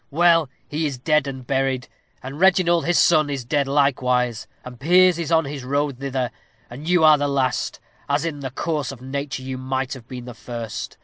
Well, he is dead and buried; and Reginald, his son, is dead likewise; and Piers is on his road hither; and you are the last, as in the course of nature you might have been the first.